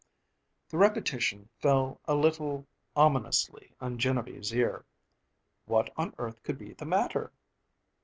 The repetition fell a little ominously on Genevieve's ear. What on earth could be the matter?